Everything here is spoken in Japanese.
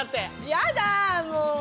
やだもう。